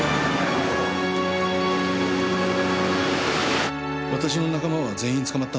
私の仲間は全員捕まったんですか？